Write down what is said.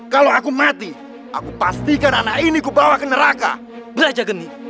kalau aku mati aku pastikan anak ini kupawa ke neraka